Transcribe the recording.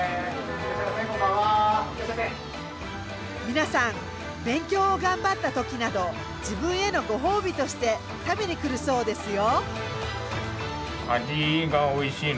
皆さん勉強を頑張った時など自分へのご褒美として食べに来るそうですよ。